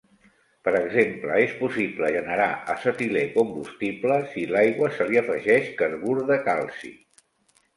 Per exemple, és possible generar acetilè combustible si l'aigua se li afegeix carbur de calci.